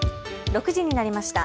６時になりました。